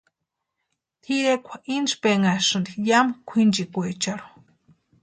Tʼirekwa intspenhasïnti yamu kwʼinchikwecharhu.